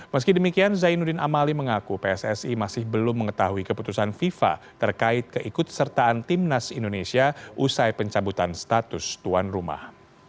meski demikian zainuddin amali mengaku pssi masih belum mengetahui keputusan fifa terkait keikut sertaan timnas indonesia usai pencabutan status tuan rumah